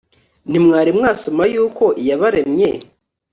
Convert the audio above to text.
ntimwari mwasoma yuko iyabaremye